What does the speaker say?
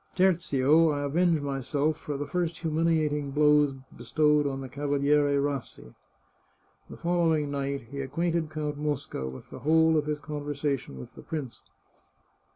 Tertio, I avenge myself for the first humiliating blows bestowed on the Cavaliere Rassi." The following night, he acquainted Count Mosca with the whole of his conversation with the prince.